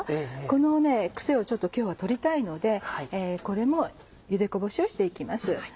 この癖をちょっと今日は取りたいのでこれもゆでこぼしをして行きます。